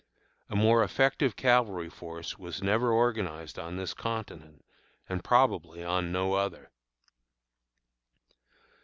A more effective cavalry force was never organized on this continent, and probably on no other.